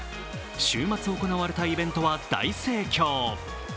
週末行われたイベントは大盛況。